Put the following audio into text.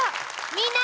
みんな！